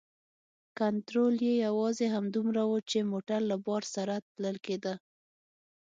کنترول یې یوازې همدومره و چې موټر له بار سره تلل کیده.